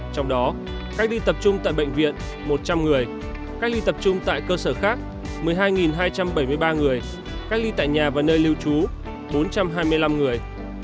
trong đó cách ly tập trung tại bệnh viện một trăm linh người cách ly tập trung tại cơ sở khác một mươi hai hai trăm bảy mươi ba người cách ly tại nhà và nơi lưu trú bốn trăm hai mươi năm người